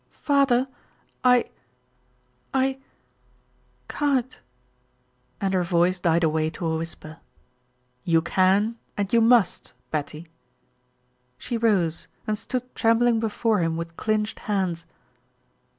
"Father! I I can't," and her voice died away to a whisper. "You can and you must, Betty." She rose and stood trembling before him with clinched hands.